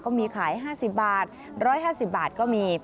ขาย๕๐บาท๑๕๐บาทก็มี